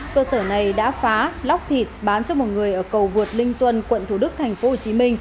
cơ sở này đã phá lóc thịt bán cho một người ở cầu vượt linh xuân quận thủ đức tp hcm